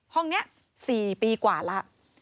ห้องนี้๔ปีกว่าแล้ว